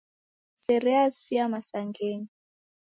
Sere yasia masangenyi.